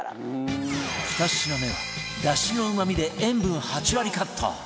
２品目はダシのうまみで塩分８割カット！